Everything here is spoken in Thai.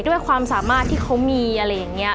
ด้วยความสามารถที่เขามีอะไรอย่างนี้